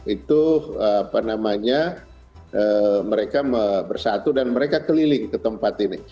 itu apa namanya mereka bersatu dan mereka keliling ke tempat ini